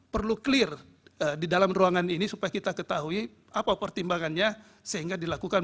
perlu clear di dalam ruangan ini supaya kita ketahui apa pertimbangannya sehingga dilakukan